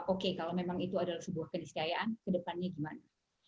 oke kalau memang itu adalah sebuah keniscayaan kedepannya gimana